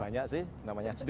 banyak sih namanya sdh